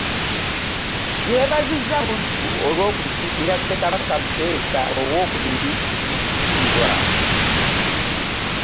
Yeebazizza Buddo olw'okujjukira ssekabaka Muteesa owookubiri mu kitiibwa